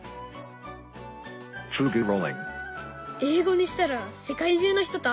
英語にしたら世界中の人と遊べるかな？